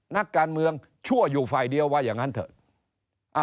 นักการเมืองชั่วอยู่ฝ่ายเดียวว่าอย่างนั้นเถอะ